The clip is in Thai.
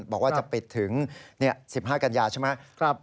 บอกว่าจะปิดถึง๑๕กันยาใช่ไหม